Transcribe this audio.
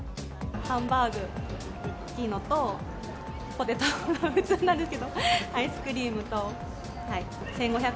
ハンバーグ大きいのと、ポテト、普通になるけど、アイスクリームと。